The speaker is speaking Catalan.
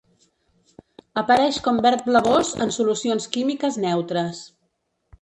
Apareix com verd blavós en solucions químiques neutres.